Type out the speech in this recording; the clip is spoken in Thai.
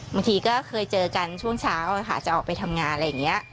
บางทีก็เคยเจอกันช่วงเช้าค่ะจะออกไปทำงานอะไรอย่างนี้